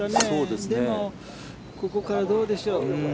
でも、ここからどうでしょう。